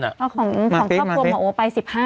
ของครอบครัวหมอโอไป๑๕คน